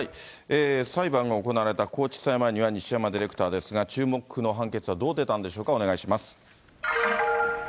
裁判が行われた高知地裁前には西山ディレクターですが、注目の判決は、どう出たんでしょうか、お願いします。